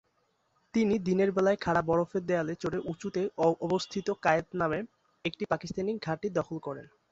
তিনি দিনের বেলায় খাড়া বরফের দেওয়ালে চড়ে উঁচুতে অবস্থিত কায়েদ নামে একটি পাকিস্তানি ঘাঁটি দখল করেন।